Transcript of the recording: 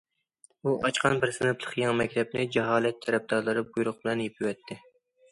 ئۇ ئاچقان بىر سىنىپلىق يېڭى مەكتەپنى جاھالەت تەرەپدارلىرى بۇيرۇق بىلەن يېپىۋەتتى.